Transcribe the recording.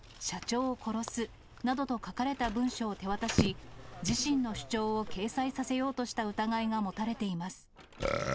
社長を殺すなどと書かれた文書を手渡し、自身の主張を掲載させようとした疑いが持たれています。